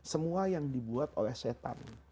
semua yang dibuat oleh setan